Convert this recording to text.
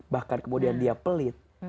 bahkan kemudian dia pelit